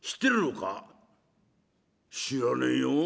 「知らねえよ。